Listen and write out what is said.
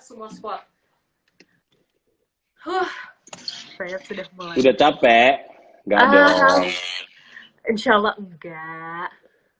udah capek insyaallah enggak